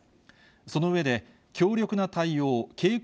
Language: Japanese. その上で強力な対応、警告